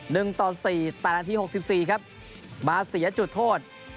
๑ต่อ๔แต่ละอาทิตย์๖๔ครับมาเสียจุดโทษ